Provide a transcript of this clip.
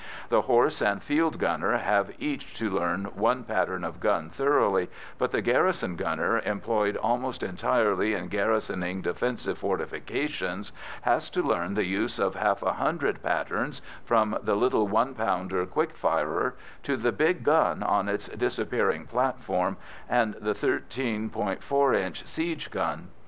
The horse and field gunner have each to learn one pattern of gun thoroughly, but the garrison gunner, employed almost entirely in garrisoning defensive fortifications, has to learn the use of half a hundred patterns, from the little one pounder quick firer to the big gun on its disappearing platform, and the 13·4 inch siege gun.